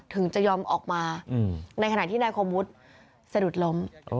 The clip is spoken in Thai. ถึงจะยอมออกมาในขณะที่นายคมวุฒิสะดุดล้ม